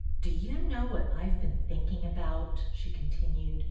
" Do you know what I have been thinking about }" she continued.